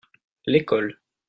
L'école.